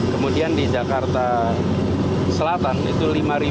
kemudian di jakarta selatan itu lima empat puluh